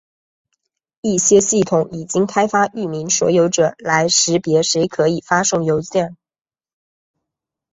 一些系统已经开发域名所有者来识别谁可以发送邮件。